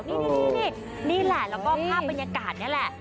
นี่นี่แหละแล้วก็ภาพบรรยากาศนี่แหละ